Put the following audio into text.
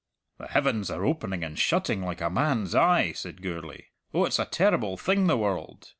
"The heavens are opening and shutting like a man's eye," said Gourlay. "Oh, it's a terrible thing the world!"